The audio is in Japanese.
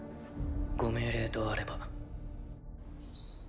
ご命令とあれば。